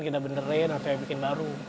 kita benerin atau yang bikin baru